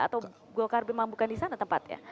atau golkar memang bukan di sana tempatnya